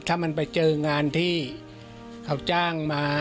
ถ้ามันไปเจองานที่เขาจ้างมา